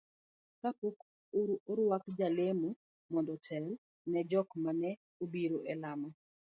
kapok orwuak jalemo mondo otel ne jok maneobiro e lamo